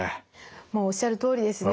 もうおっしゃるとおりですね。